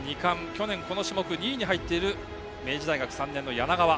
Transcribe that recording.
去年、この種目２位に入っている明治大学３年の柳川。